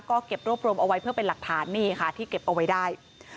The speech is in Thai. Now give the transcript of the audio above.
ก็เก็บรวบรวมเอาไว้เพื่อเป็นหลักฐานนี่ค่ะที่เก็บเอาไว้ได้